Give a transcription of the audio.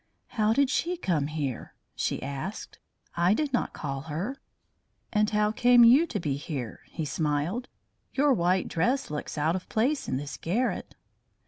"How did she come here?" she asked. "I did not call her." "And how came you to be here?" he smiled. "Your white dress looks out of place in this garret."